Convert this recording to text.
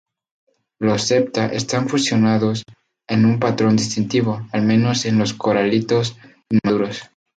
Los "septa" están fusionados en un patrón distintivo, al menos en los coralitos inmaduros.